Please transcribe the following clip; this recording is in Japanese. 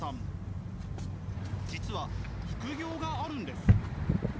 実は副業があるんです。